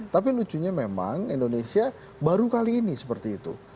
tapi lucunya memang indonesia baru kali ini seperti itu